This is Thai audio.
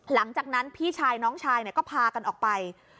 หลังจากนั้นพี่ชายน้องชายก็พากันออกไป